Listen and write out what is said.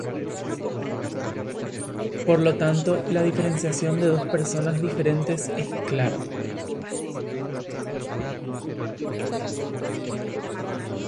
Por lo tanto la diferenciación de dos personas diferentes es clara.